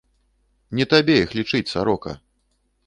Не табе іх лічыць, сарока!